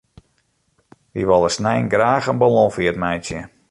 Wy wolle snein graach in ballonfeart meitsje.